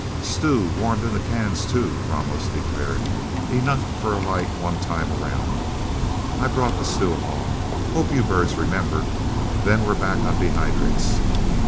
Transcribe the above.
"Stew, warmed in the cans, too," Ramos declared. "Enough for a light one time around. I brought the stew along. Hope you birds remember. Then we're back on dehydrates.